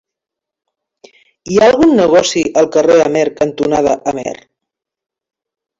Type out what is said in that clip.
Hi ha algun negoci al carrer Amer cantonada Amer?